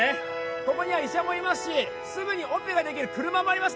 ここには医者もいますしすぐにオペができる車もあります